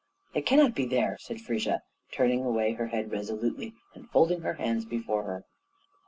"It cannot be there," said Frigga, turning away her head resolutely, and folding her hands before her.